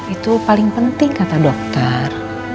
itu paling penting kata dokter